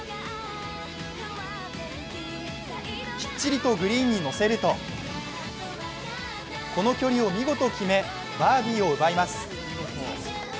きっちりとグリーンに乗せるとこの距離を見事決め、バーディーを奪います。